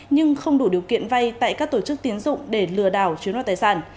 nhưng không đủ điều kiện vay tại các tổ chức tiến dụng để lừa đảo chiếm đoạt tài sản